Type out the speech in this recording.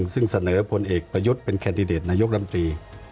ซึ่งเสนอผลเอกประยุทธ์เป็นแคนดิเดตนายกรัมตรี